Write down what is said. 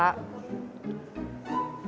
ini gue lagi berusaha buat fokus